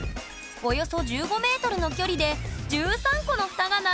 およそ１５ｍの距離で１３個の蓋が並んでる場所も！